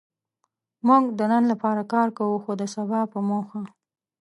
موږ د نن لپاره کار کوو؛ خو د سبا په موخه.